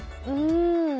うん。